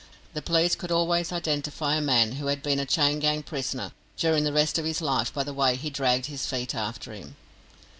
The police could always identify a man who had been a chain gang prisoner during the rest of his life by the way he dragged his feet after him.